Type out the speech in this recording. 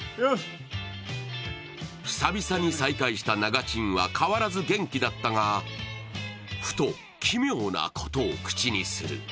久々に再会したながちんは、変わらず元気だったがふと奇妙なことを口にする。